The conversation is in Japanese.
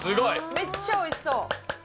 めっちゃおいしそう。